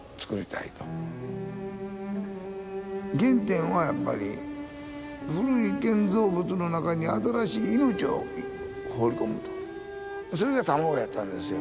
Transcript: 原点はやっぱり古い建造物の中に新しい命を放り込むとそれが卵やったんですよ。